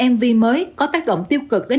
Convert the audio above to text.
mv mới có tác động tiêu cực đến